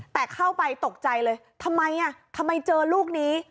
แต่เข้าไปตกใจเลยทำไมทำไมเจอลูกนี้